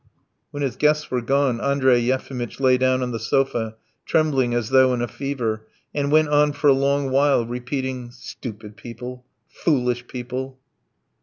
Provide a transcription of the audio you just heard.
When his guests were gone Andrey Yefimitch lay down on the sofa, trembling as though in a fever, and went on for a long while repeating: "Stupid people! Foolish people!"